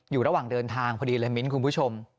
อยู่ระหว่างเดินทางพอดีเลยมิ้นคุณผู้ชม